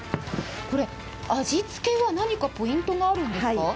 味付けは何かポイントがあるんですか？